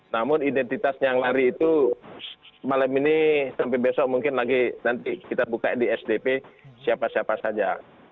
namun identitas yang lari itu malam ini sampai besok mungkin lagi nanti kita buka di sdp siapa siapa saja